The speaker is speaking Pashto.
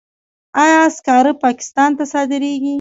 آیا سکاره پاکستان ته صادریږي؟